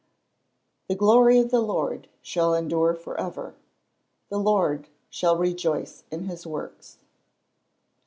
[Verse: "The glory of the Lord shall endure for ever: the Lord shall rejoice in his works."